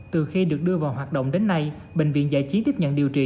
từ khi được đưa vào hoạt động đến nay bệnh viện giải trí tiếp nhận điều trị